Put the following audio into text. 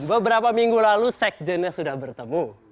beberapa minggu lalu sekjennya sudah bertemu